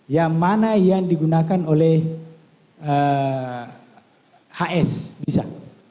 yang mana yang digunakan oleh hs bisa